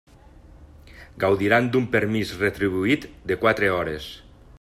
Gaudiran d'un permís retribuït de quatre hores.